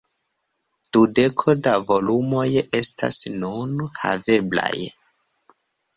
Dudeko da volumoj estas nun haveblaj.